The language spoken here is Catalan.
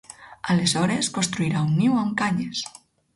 Aleshores, construirà un niu amb canyes.